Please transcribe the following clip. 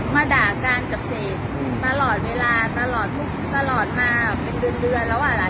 มาด่ากันกับเศษอืมตลอดเวลาตลอดตลอดมาเป็นเงินเรื่องแล้วหลาย